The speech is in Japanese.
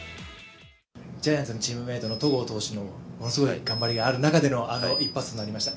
ジャイアンツのチームメートの戸郷投手の、ものすごい頑張りがある中でのあの一発が出ました。